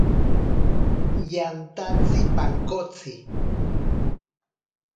Yantatsi pankotsi.